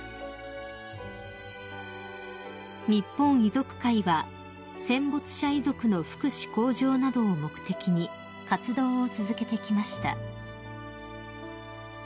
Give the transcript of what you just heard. ［日本遺族会は戦没者遺族の福祉向上などを目的に活動を続けてきました］